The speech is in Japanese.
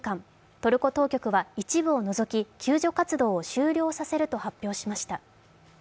トルコ当局は一部を除き救助活動を終了させると発表しました。